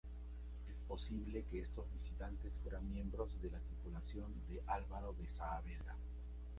Es posible que estos visitantes fueran miembros de la tripulación de Álvaro de Saavedra.